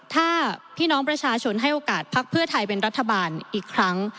ถ้าพี่น้องประชาชนให้โอกาสพักเพื่อไทยเป็นรัฐบาลอีกครั้ง